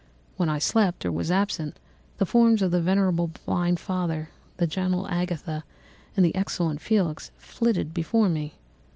When I slept or was absent, the forms of the venerable blind father, the gentle Agatha, and the excellent Felix flitted before me.